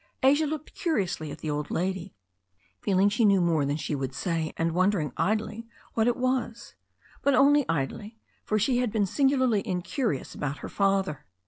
Asia looked curiously at the old lady, feeling she knew more than she would say, and wondering idly what it was* But only idly, for she had been singularly incurious about her father.